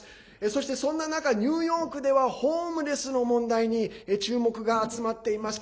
そして、そんな中ニューヨークではホームレスの問題に注目が集まっています。